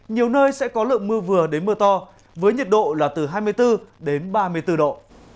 nhiều nơi sẽ có lượng mưa vừa đến mưa to với nhiệt độ là từ hai mươi bốn ba mươi bốn độ